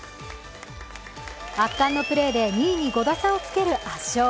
圧巻のプレーで２位に５打差をつける圧勝。